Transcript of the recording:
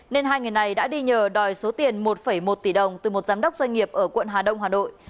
nên hai người này đã đi nhờ đòi số tiền một một tỷ đồng từ một giám đốc doanh nghiệp ở quận hà đông hà nội